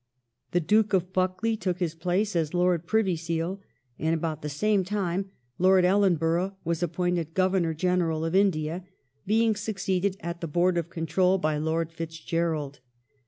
The Duke of Buccleuch took his place as Lord Privy Seal, and about the same time Lord Ellenborough was appointed Grovernor General of India, being succeeded at the Board of Control by Lord Fitzgerald.''